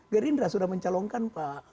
gerindra sudah mencalonkan